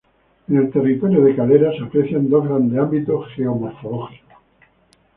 En el territorio de Calera se aprecian dos grandes ámbitos geomorfológicos.